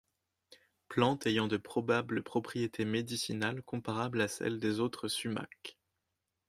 Plante ayant de probables propriétés médicinales comparable à celles des autres sumacs.